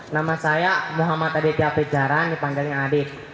nama saya muhammad aditya pejaran dipanggilnya adik